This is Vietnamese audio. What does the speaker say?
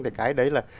thì cái đấy là